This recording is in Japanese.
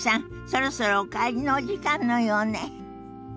そろそろお帰りのお時間のようね。